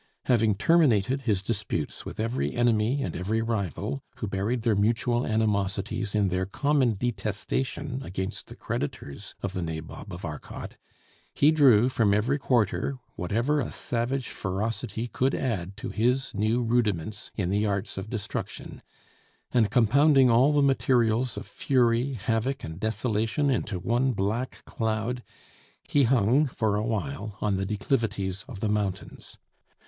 Having terminated his disputes with every enemy and every rival, who buried their mutual animosities in their common detestation against the creditors of the Nabob of Arcot, he drew from every quarter whatever a savage ferocity could add to his new rudiments in the arts of destruction; and compounding all the materials of fury, havoc, and desolation into one black cloud, he hung for a while on the declivities of the mountains.